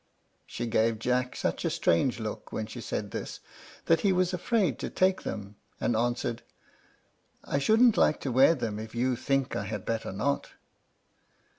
She gave Jack such a strange look when she said this, that he was afraid to take them, and answered, "I shouldn't like to wear them if you think I had better not."